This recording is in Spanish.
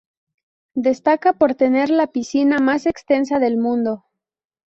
Destaca por tener la piscina más extensa del mundo.